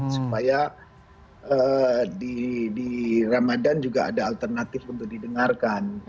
supaya di ramadhan juga ada alternatif untuk didengarkan